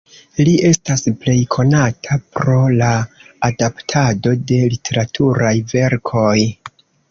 Li estas plej konata pro la adaptado de literaturaj verkoj.